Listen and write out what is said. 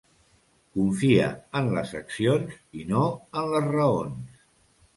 Confia en les accions i no en les raons.